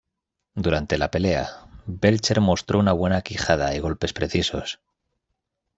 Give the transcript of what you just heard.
Durante la pelea, Belcher mostro una buena quijada y golpes precisos.